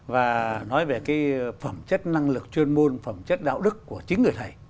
và nói về cái phẩm chất năng lực chuyên môn phẩm chất đạo đức của chính người thầy